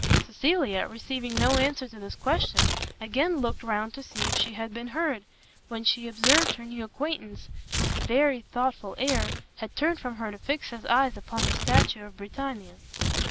Cecilia, receiving no answer to this question, again looked round to see if she had been heard; when she observed her new acquaintance, with a very thoughtful air, had turned from her to fix his eyes upon the statue of Britannia.